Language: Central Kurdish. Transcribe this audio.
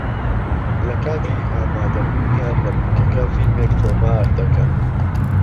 لە کاتی ئامادەبوونیان لە بنکەکە فیلمێک تۆمار دەکەن